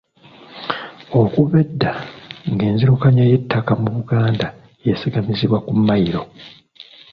Okuva edda nga enzirukanya y'ettaka mu Buganda yeesigamizibwa ku mmayiro.